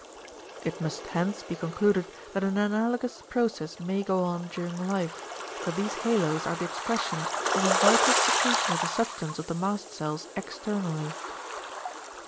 It must hence be concluded that an analogous process may go on during life, that these halos are the expression of a vital secretion of the substance of the mast cells externally.